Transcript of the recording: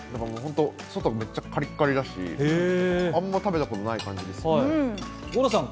外カリカリだし、あんまり食べたことない感じです。